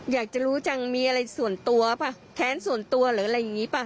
อยากจะรู้จังมีอะไรส่วนตัวป่ะแค้นส่วนตัวหรืออะไรอย่างนี้ป่ะ